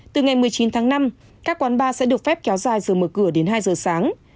từ ngày một mươi chín tháng năm các quán bar sẽ được phép kéo dài giờ mở cửa đến hai giờ sáng